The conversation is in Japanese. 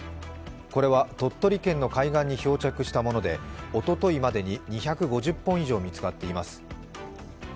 これは鳥取県の海岸に漂着したもので、おとといまでに２５０本以上見つかっています。